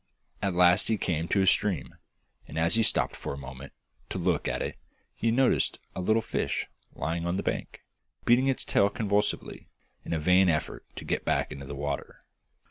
At last he came to a stream, and as he stopped for a moment to look at it he noticed a little fish lying on the bank, beating its tail convulsively, in a vain effort to get back into the water.